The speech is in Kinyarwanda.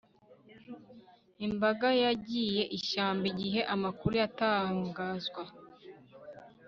Imbaga yagiye ishyamba igihe amakuru yatangazwa